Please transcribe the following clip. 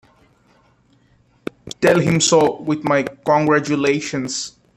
Tell him so, with my congratulations.